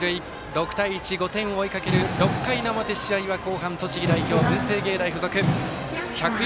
６対１、５点を追いかける６回表、試合は後半栃木代表、文星芸大付属。